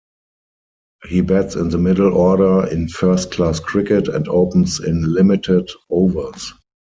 He bats in the middle order in first-class cricket and opens in limited-overs.